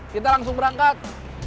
kita langsung berangkat